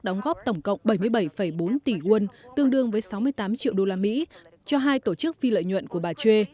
đóng góp tổng cộng bảy mươi bảy bốn tỷ quân tương đương với sáu mươi tám triệu đô la mỹ cho hai tổ chức phi lợi nhuận của bà choi